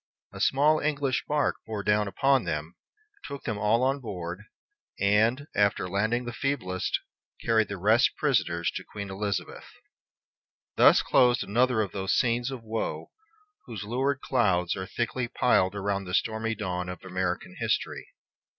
A small English bark bore down upon them, took them all on board, and, after landing the feeblest, carried the rest prisoners to Queen Elizabeth. Thus closed another of those scenes of woe whose lurid clouds are thickly piled around the stormy dawn of American history.